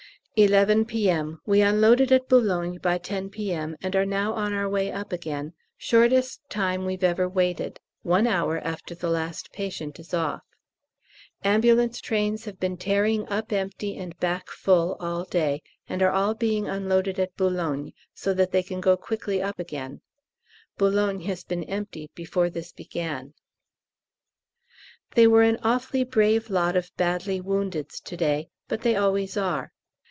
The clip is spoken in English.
11 P.M. We unloaded at B. by 10 P.M., and are now on our way up again; shortest time we've ever waited one hour after the last patient is off. A.T.'s have been tearing up empty and back full all day, and are all being unloaded at B., so that they can go quickly up again. B. has been emptied before this began. They were an awfully brave lot of badly woundeds to day, but they always are.